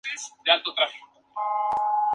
Fue enterrado en la Abadía de Shrewsbury, Shropshire.